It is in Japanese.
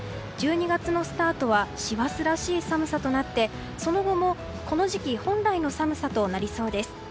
１２月のスタートは師走らしい寒さとなってその後もこの時期本来の寒さとなりそうです。